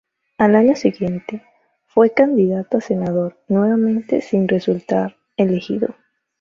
Al año siguiente, fue candidato a senador, nuevamente sin resultar elegido.